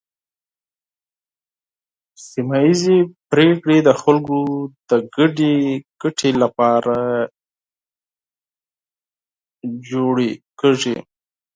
سیمه ایزې پریکړې د خلکو د ګډې ګټې لپاره جوړې کیږي.